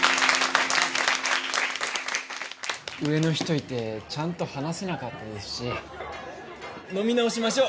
上の人いてちゃんと話せなかったですし飲み直しましょう。